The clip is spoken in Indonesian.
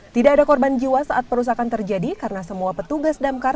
tidak ada korban jiwa saat perusakan terjadi karena semua petugas damkar